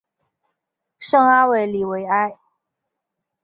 圣阿维里维埃。